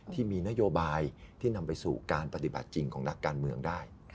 ที่มีนโยบายที่นำไปสู่การปฏิบัติจริงของนักการเมืองได้